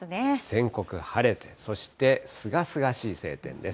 全国晴れて、そしてすがすがしい晴天です。